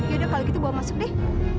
yaudah kalau gitu bawa masuk deh